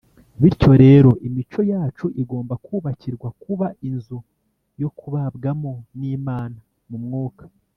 . Bityo rero, imico yacu igomba kubakirwa kuba “inzu yo kubabwamo n’Imana mu Mwuka.